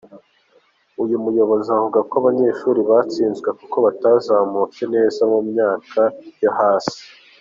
Uyu muyobozi avuga ko abanyeshuri batsinzwe kuko batazamutse neza mu myaka yo hasi.